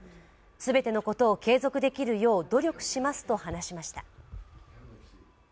全てのことを継続できるよう努力しますと話しました。